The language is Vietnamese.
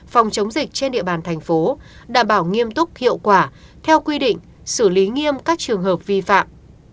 phòng chống dịch trên địa bàn thành phố đảm bảo nghiêm túc hiệu quả theo quy định xử lý nghiêm các trường hợp vi phạm